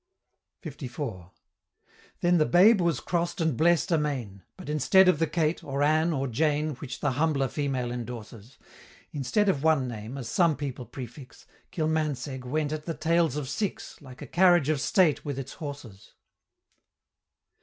LIV. Then the babe was cross'd and bless'd amain! But instead of the Kate, or Ann, or Jane, Which the humbler female endorses Instead of one name, as some people prefix, Kilmansegg went at the tails of six, Like a carriage of state with its horses.